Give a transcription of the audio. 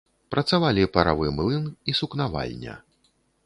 Працавалі паравы млын і сукнавальня.